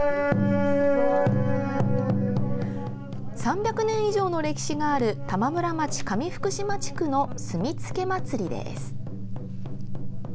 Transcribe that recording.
３００年以上の歴史がある玉村町上福島地区のすみつけ祭です。